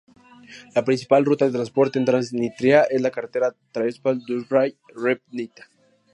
La principal ruta de transporte en Transnistria es la carretera Tiráspol-Dubăsari-Rîbniţa.